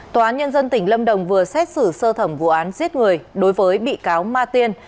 tòa án nhân dân tỉnh lâm đồng vừa xét xử sơ thẩm vụ án giết người đối với bị cáo ma tiên